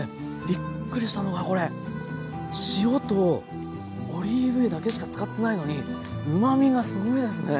びっくりしたのがこれ塩とオリーブ油だけしか使ってないのにうまみがすごいですね。